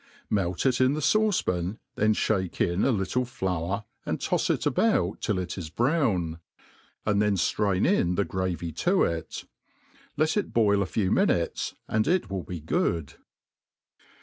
Melt it in the fauce pan, then (hake in a little flour, and tofs it about till it is brown, and then ftrain in the gravy to it. Let it boil a few minutes, and it will be good.